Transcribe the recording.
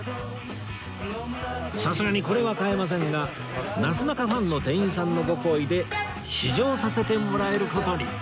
さすがにこれは買えませんがなすなかファンの店員さんのご厚意で試乗させてもらえる事に